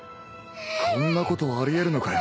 こんなことあり得るのかよ